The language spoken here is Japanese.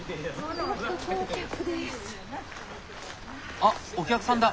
あっお客さんだ。